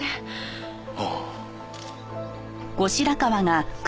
ああ。